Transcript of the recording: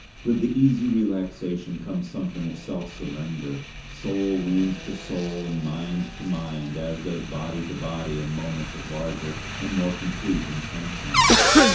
With the easy relaxation comes something of self surrender; soul leans to soul and mind to mind, as does body to body in moments of larger and more complete intention.